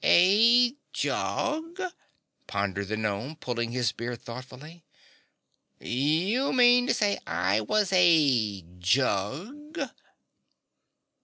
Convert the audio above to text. "A jug?" pondered the gnome pulling his beard thoughtfully. "You mean to say I was a JUG?"